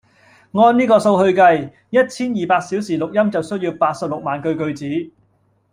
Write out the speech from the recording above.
按呢個數去計，一千二百小時錄音就需要八十六萬句句子